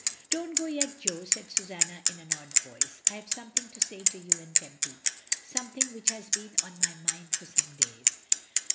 "Don't go yet, Jo," said Susanna, in an odd voice. "I have something to say to you and Tempy. Something which has been on my mind for some days."